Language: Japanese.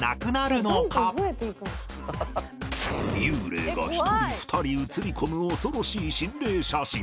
幽霊が１人２人写り込む恐ろしい心霊写真